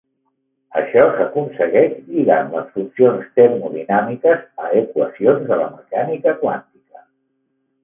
Això s’aconsegueix lligant les funcions termodinàmiques a equacions de la mecànica quàntica.